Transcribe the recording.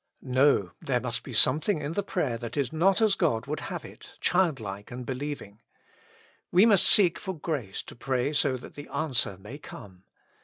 No ; there must be something in the prayer that is not as God would have it, childlike and believing: we must seek for grace to pray so that the answer may come.